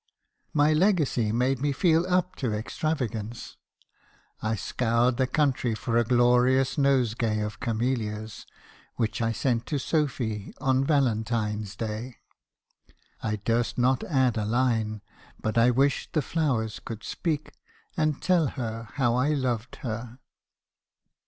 "My legacy made me feel up to extravagance. I scoured the country for a glorious nosegay of camellias , which I sent to Sophy" on Valentine's day. I durst not add a line , but I wished the flowers could speak, and tell her how I loved her.